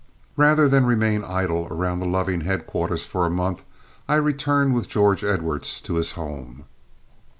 Rather than remain idle around the Loving headquarters for a month, I returned with George Edwards to his home.